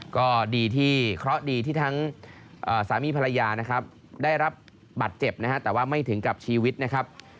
ก็ดีที่ที่ทั้งสามีภรรยาได้รับบาดเจ็บนะฮะแต่ไม่ถึงกับชีวิตนะครับ